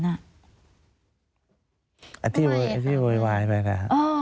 อันที่โวยวายไปค่ะ